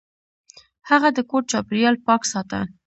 هغه د کور چاپیریال پاک ساته.